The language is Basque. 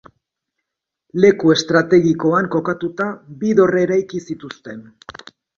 Leku estrategikoan kokatuta, bi dorre eraiki zituzten.